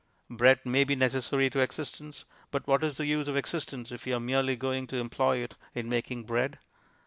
Bread may be necessary to existence, but what is the use of existence if you are merely going to employ it in making bread?